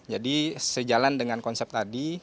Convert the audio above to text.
jadi sejalan dengan konsep tadi